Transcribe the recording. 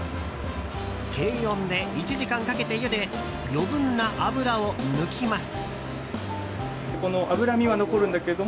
低温で１時間かけてゆで余分な脂を抜きます。